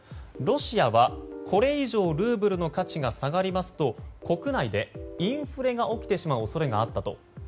ロシアはこれ以上ルーブルの価値が下がりますと国内でインフレが起きてしまう恐れがあったと。